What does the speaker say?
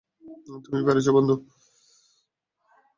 তুমি পেরেছ, বন্ধু।